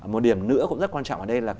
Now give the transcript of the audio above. một điểm nữa cũng rất quan trọng ở đây là